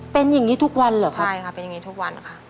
เป็นอย่างนี้ทุกวันเหรอครับใช่ค่ะเป็นอย่างนี้ทุกวันค่ะ